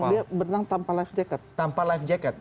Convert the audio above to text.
dia berenang tanpa life jacket